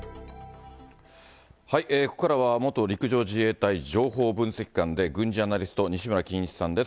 ここからは元陸上自衛隊情報分析官で軍事アナリスト、西村金一さんです。